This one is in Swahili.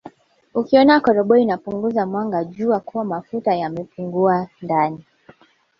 Ukiona koroboi inapunguza mwanga jua kuwa mafuta yamepungua ndani